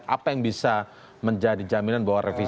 apa yang bisa menjadi jaminan bahwa revisi